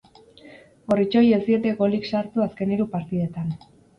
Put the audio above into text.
Gorritxoei ez diete golik sartu azken hiru partidetan.